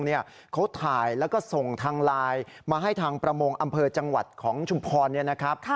เขาถ่ายแล้วก็ส่งทางไลน์มาให้ทางประมงอำเภอจังหวัดของชุมพรเนี่ยนะครับ